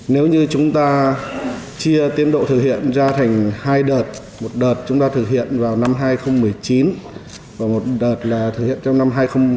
nếu chúng ta thực hiện ra thành hai đợt một đợt chúng ta thực hiện vào năm hai nghìn một mươi chín và một đợt là thực hiện trong năm hai nghìn hai mươi